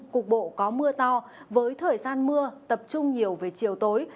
cục bộ có mưa to với thời gian mưa tập trung nhiều về chiều tối